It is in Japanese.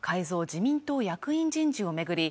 自民党役員人事を巡り